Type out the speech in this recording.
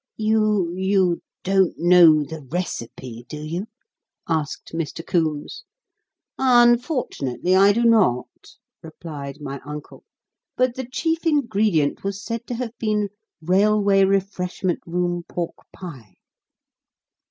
"You you don't know the recipe, do you?" asked Mr. Coombes. "Unfortunately I do not," replied my uncle; "but the chief ingredient was said to have been railway refreshment room pork pie.